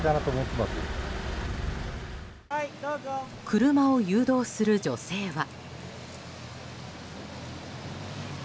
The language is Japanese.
車を誘導する女性は。